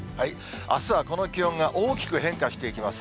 あすはこの気温が大きく変化していきます。